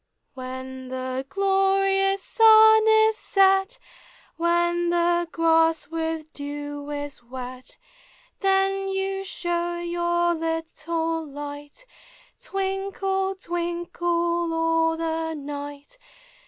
When the glorious sun is set, When the grass with dew is wet, Then you show your little light, Twinkle, twinkle, all the night.